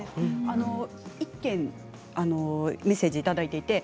意見、メッセージをいただいています。